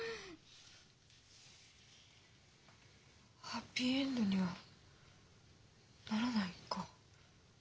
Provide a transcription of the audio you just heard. ハッピーエンドにはならないか。え？